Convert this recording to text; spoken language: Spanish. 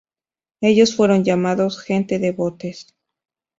Ellos fueron llamados "Gente de botes".